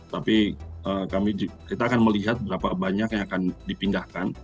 tapi kita akan melihat berapa banyak yang akan dipindahkan